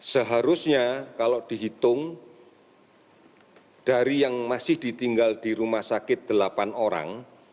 seharusnya kalau dihitung dari yang masih ditinggal di rumah sakit delapan orang